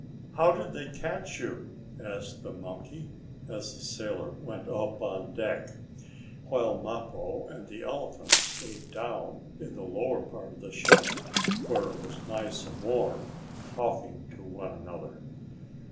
"How did they catch you?" asked the monkey, as the sailor went up on deck, while Mappo and the elephant stayed down in the lower part of the ship, where it was nice and warm, talking to one another.